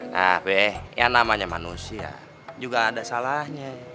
nah be yang namanya manusia juga ada salahnya